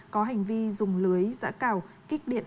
có hành vi dùng lưới giã cào kích điện